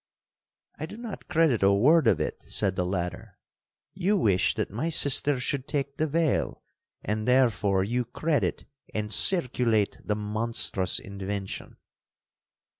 'I do not credit a word of it,' said the latter; 'you wish that my sister should take the veil, and therefore you credit and circulate the monstrous invention.'